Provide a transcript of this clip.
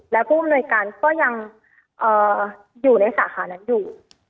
และผู้อำนวยการก็ยังอยู่ในสาขานั้นอยู่